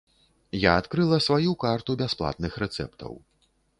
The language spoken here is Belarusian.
Я адкрыла сваю карту бясплатных рэцэптаў.